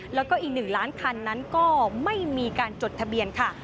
แล้วก็อีก๑ล้านคันนั้นก็ไม่มีการจดทะเบียนค่ะ